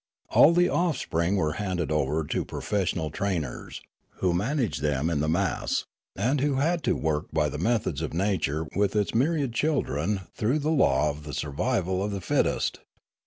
All the offspring were handed over to professional trainers, who managed them in the mass, and who had to work by the methods of nature with its myriad children through the law of the survival of the fittest.